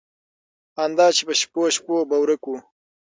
ان دا چې په شپو شپو به ورک و.